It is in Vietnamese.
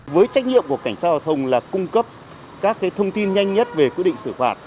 với trách nhiệm của cảnh sát giao thông là cung cấp các thông tin nhanh nhất về quy định xử phạt